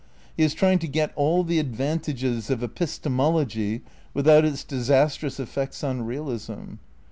He is trying to get all the advantages of epistemology without its dis astrous effects on realism.